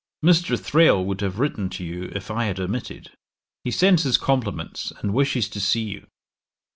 Mr. Thrale would have written to you if I had omitted; he sends his compliments and wishes to see you.